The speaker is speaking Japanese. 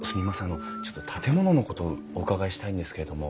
あのちょっと建物のことお伺いしたいんですけれども。